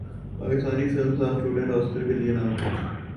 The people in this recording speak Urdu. پاکستانی فلم ساز سٹوڈنٹ اسکر کے لیے نامزد